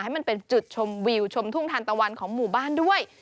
ให้มันเป็นจุดชมวิวชมทุ่งทานตะวันของหมู่บ้านด้วย